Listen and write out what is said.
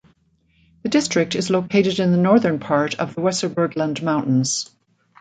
The district is located in the northern part of the Weserbergland mountains.